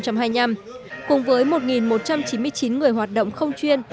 cùng với một một trăm chín mươi chín người hoạt động không chuyên